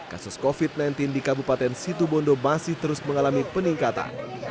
kasus covid sembilan belas di kabupaten situbondo masih terus mengalami peningkatan